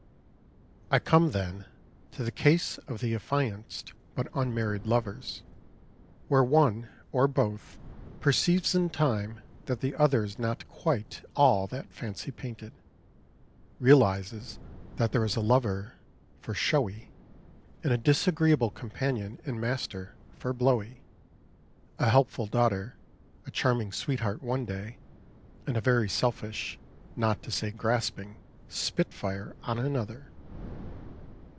I come, then, to the case of the affianced but unmarried lovers, where one, or both, perceives in time that the other is not quite all that fancy painted; realises that there is a lover, "for showy," and a disagreeable companion and master "for blowy": a helpful daughter, a charming sweetheart one day, and a very selfish, not to say grasping, spit fire on another.